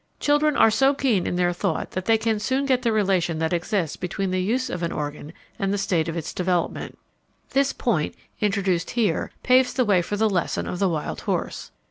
Children are so keen in their thought that they can soon get the relation that exists between the use of an organ and the state of its development. This point, introduced here, paves the way for the lesson of the wild horse.